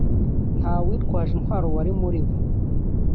ntawitwaje intwaro wari muri bo